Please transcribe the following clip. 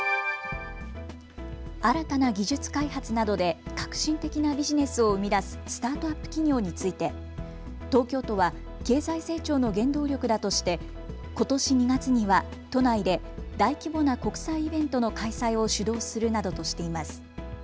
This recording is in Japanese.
新たな技術開発などで革新的なビジネスを生み出すスタートアップ企業について東京都は経済成長の原動力だとして、ことし２月には都内で大規模な国際イベントの開催を主導するなどとしています。